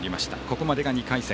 ここまでが２回戦。